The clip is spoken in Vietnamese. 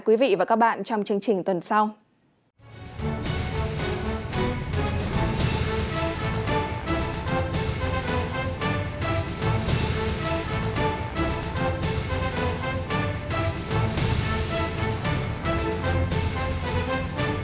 quý vị và các bạn trong chương trình tuần sau